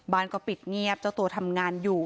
ก็ปิดเงียบเจ้าตัวทำงานอยู่